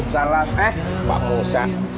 salam eh pak musa